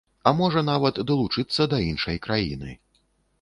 А, можа, нават далучыцца да іншай краіны.